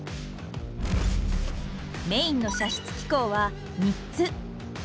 メインの射出機構は３つ。